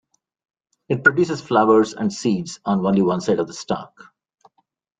It produces flowers and seeds on only one side of the stalk.